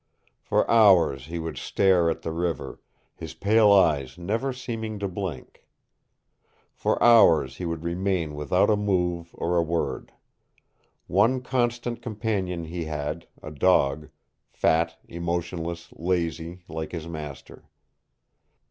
For hours he would stare at the river, his pale eyes never seeming to blink. For hours he would remain without a move or a word. One constant companion he had, a dog, fat, emotionless, lazy, like his master.